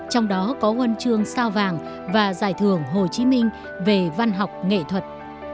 trong đó có huân chương sao vàng và giải thưởng hồ chí minh về văn học nghệ thuật